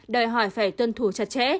đòi hỏi phải tuân thủ chặt chẽ